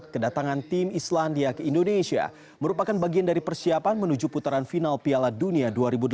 kedatangan tim islandia ke indonesia merupakan bagian dari persiapan menuju putaran final piala dunia dua ribu delapan belas